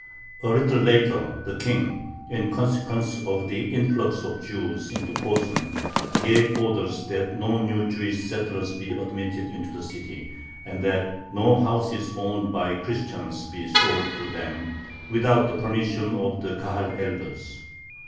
A little later the King, in consequence of the influx of Jews into Posen, gave orders that no new Jewish settlers be admitted into the city, and that no houses owned by Christians be sold to them, without the permission of the Kahal elders.